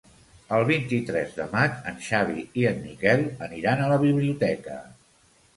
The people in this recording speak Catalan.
El vint-i-tres de maig en Xavi i en Miquel aniran a la biblioteca.